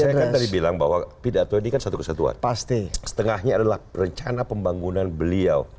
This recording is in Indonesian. saya kan tadi bilang bahwa pidato ini kan satu kesatuan setengahnya adalah rencana pembangunan beliau